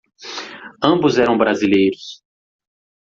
Ambos eram brasileiros.